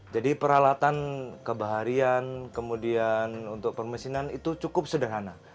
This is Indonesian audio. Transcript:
jadi peralatan kebaharian kemudian untuk permesinan itu cukup sederhana